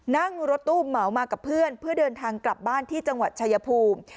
นั่งรถตู้เหมามากับเพื่อนเพื่อเดินทางกลับบ้านที่จังหวัดชายภูมิ